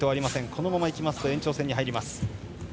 このまま行きますと延長戦に入ります。